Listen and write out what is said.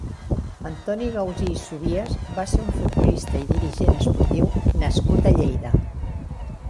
Antoni Gausí i Subias va ser un futbolista i dirigent esportiu nascut a Lleida.